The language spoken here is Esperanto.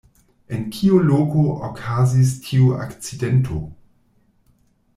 En kiu loko okazis tiu akcidento?